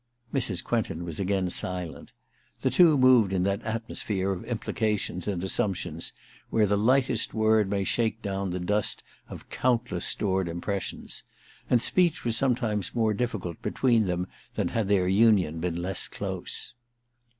Mrs. Quentin was again silent. The two moved in that atmosphere of implications and assumptions where the lightest word may shake down the dust of countless stored impressions ; and speech was sometimes more difficult be tween them than had their union been less close.